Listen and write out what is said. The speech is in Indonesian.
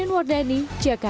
irene wardani jakarta